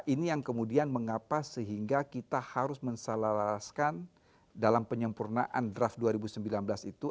ini yang kemudian mengapa sehingga kita harus mensalaraskan dalam penyempurnaan draft dua ribu sembilan belas itu